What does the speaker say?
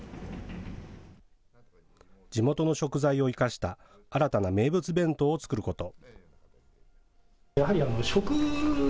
地元の食材を生かした新たな名物弁当を作ること。